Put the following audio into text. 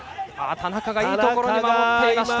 田中がいいところに守っていました。